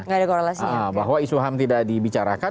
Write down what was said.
nah bahwa isu ham tidak dibicarakan